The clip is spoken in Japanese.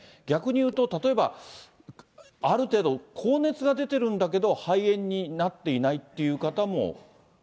逆に言うと、例えばある程度、高熱が出てるんだけど肺炎になっていないっていう方も。